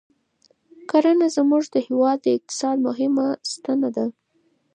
کرنه زموږ د هېواد د اقتصاد مهمه ستنه ده